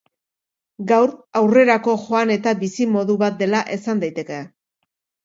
Gaur, aurrerako joan eta bizi-modu bat dela esan daiteke.